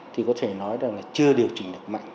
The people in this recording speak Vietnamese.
thì có thể nói rằng là chưa điều chỉnh được mạnh